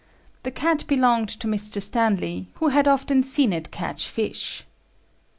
The cat belonged to Mr. Stanley, who had often seen it catch fish."